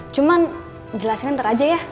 cuman jelasin nanti aja ya